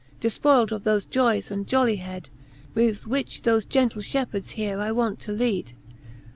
Defpoyled of thofe joyes and jollyhead, i Which with thofe gentle fhepherds here I wont to lead.